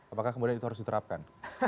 apakah kemudian itu harus diterapkan